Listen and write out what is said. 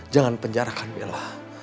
jangan penjarakan bella